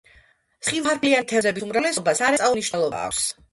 სხივფარფლიანი თევზების უმრავლესობას სარეწაო მნიშვნელობა აქვს.